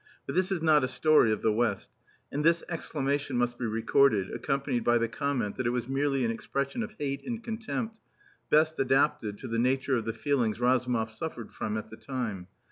But this is not a story of the West, and this exclamation must be recorded, accompanied by the comment that it was merely an expression of hate and contempt, best adapted to the nature of the feelings Razumov suffered from at the time.